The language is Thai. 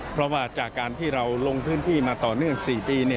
เพราะว่าจากการที่เราลงพื้นที่มาต่อเนื่อง๔ปี